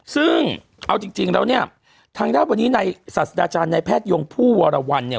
ซึ่งเอาจริงแล้วเนี่ยทางด้านวันนี้ในศาสดาจารย์ในแพทยงผู้วรวรรณเนี่ย